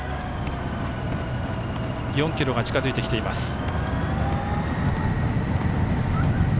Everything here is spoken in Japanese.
４ｋｍが近づいてきています。